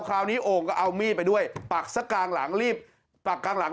คราวนี้โอ้งก็เอามีดไปด้วยปักซะกลางหลังรีบปักกลางหลัง